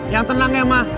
yang tenang ya ma